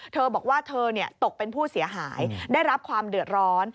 เธอบอกว่าเธอตกเป็นผู้เสียหายได้รับความเดือดร้อน